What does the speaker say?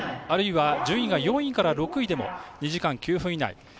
あるいは順位が４位から６位でも２時間９分以内。